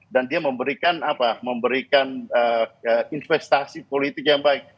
dan dia memberikan investasi politik yang baik